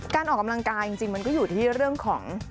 การออกกำลังกายจริงมันก็อยู่ที่เรื่องของ